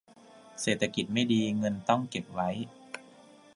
เศรษฐกิจไม่ดี เงินต้องเก็บไว้